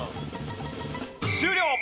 終了！